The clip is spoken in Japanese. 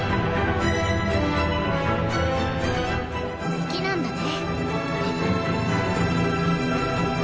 好きなんだね。